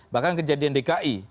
bahkan kejadian dki